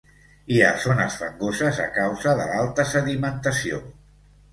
Hi ha zones fangoses a causa de l'alta sedimentació.